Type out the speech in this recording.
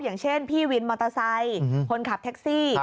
อย่างเช่นพี่วินมอเตอร์ไซค์คนขับแท็กซี่